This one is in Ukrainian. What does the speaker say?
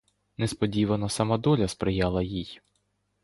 Несподівано сама доля сприяла їй.